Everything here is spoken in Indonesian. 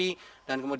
diminta untuk tenang